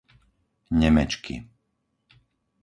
Nemečky